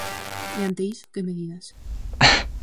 E ante iso ¿que medidas?